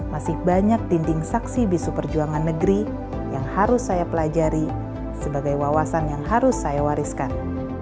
masih banyak dinding saksi bisu perjuangan negeri yang harus saya pelajari sebagai wawasan yang harus saya wariskan